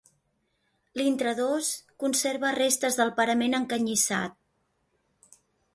L'intradós conserva restes del parament encanyissat.